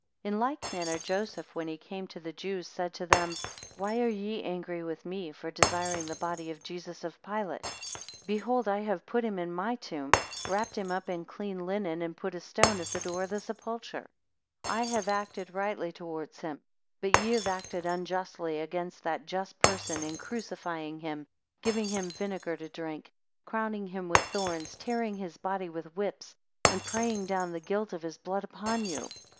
5 In like manner Joseph, when he came to the Jews, said to them, Why are ye angry with me for desiring the body of Jesus of Pilate? Behold, I have put him in my tomb, and wrapped him up in clean linen, and put a stone at the door of the sepulchre: 6 I have acted rightly towards him; but ye have acted unjustly against that just person, in crucifying him, giving him vinegar to drink, crowning him with thorns, tearing his body with whips, and praying down the guilt of his blood upon you.